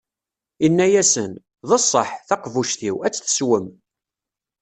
Inna-asen: D ṣṣeḥḥ, taqbuct-iw, a tt-teswem.